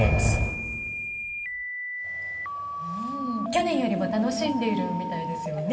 去年よりも楽しんでいるみたいですね。